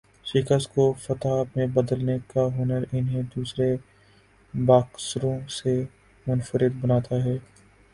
شکست کو فتح میں بدلنے کا ہنر انہیں دوسرے باکسروں سے منفرد بناتا ہے۔